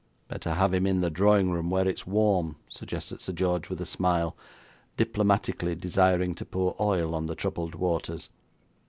'Better have him in the drawing room, where it's warm,' suggested Sir George, with a smile, diplomatically desiring to pour oil on the troubled waters.